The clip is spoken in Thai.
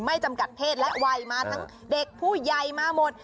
จำกัดเพศและวัยมาทั้งเด็กผู้ใหญ่มาหมด